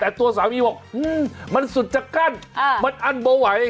แล้วตัวสามีบอกอืมมันสุดจากกั้นมันอันโบไหว